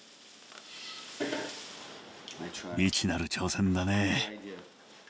未知なる挑戦だね。